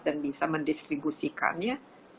dan bisa mendistribusikannya